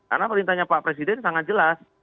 karena perintahnya pak presiden sangat jelas